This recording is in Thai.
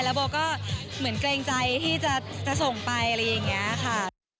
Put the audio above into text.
โบก็เหมือนเกรงใจที่จะส่งไปอะไรอย่างนี้ค่ะ